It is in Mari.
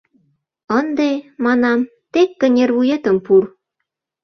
Ынде, — манам, — тек кынервуетым пур!